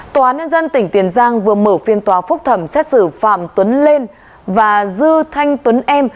tòa án nhân dân tỉnh tiền giang vừa mở phiên tòa phúc thẩm xét xử phạm tuấn lên và dư thanh tuấn em